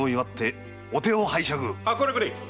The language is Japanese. これこれ！